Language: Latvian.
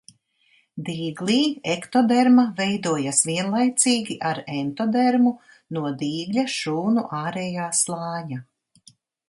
Dīglī ektoderma veidojas vienlaicīgi ar entodermu no dīgļa šūnu ārējā slāņa.